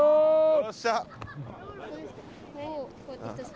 よっしゃ。